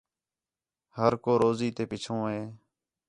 ہر کو روزی تے پِچّھوں ہِے